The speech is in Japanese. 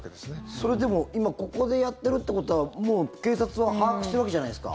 それ、でも今ここでやってるってことはもう警察は把握してるわけじゃないですか。